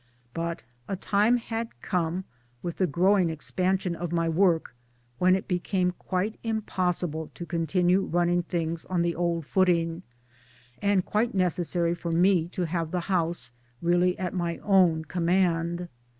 But a time had come with the growing expansion of my work when it became quite impossible to continue running things on the old footing, and quite necessary for me to have the house really at my own command.